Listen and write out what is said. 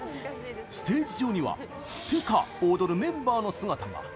ステージ上には「ってか」を踊るメンバーの姿が。